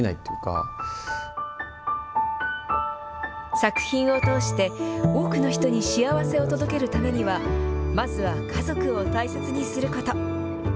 作品を通して、多くの人に幸せを届けるためには、まずは家族を大切にすること。